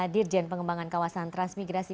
dirjen pengembangan kawasan transmigrasi